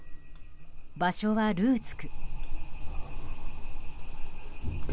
場所はルーツク。